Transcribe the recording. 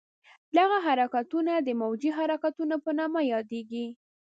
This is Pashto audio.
دغه حرکتونه د موجي حرکتونو په نامه یادېږي.